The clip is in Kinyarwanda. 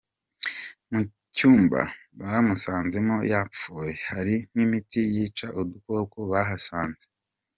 Mu cyumba bamusanzemo yapfuye, hari n’imiti yica udukoko bahasanze